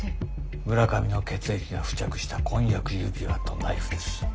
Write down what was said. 村上の血液が付着した婚約指輪とナイフです。